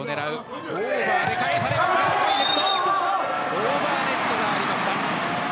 オーバーネットがありました。